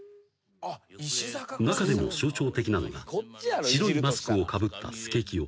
［中でも象徴的なのが白いマスクをかぶった］